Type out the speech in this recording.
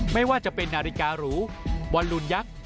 ไม่ว่าจะเป็นนาฬิการูบอลลูนยักษ์